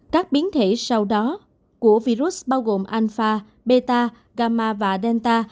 các biến thể sau đó của virus bao gồm alpha beta gamma và delta